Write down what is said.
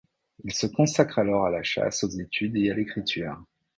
Il se consacre alors à la chasse, aux études et à l’écriture.